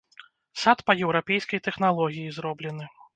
Сад па еўрапейскай тэхналогіі зроблены.